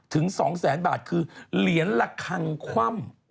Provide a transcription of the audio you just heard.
ถึง๒๐๐๐๐๐บาทคือเหรียญละครังคว่ำ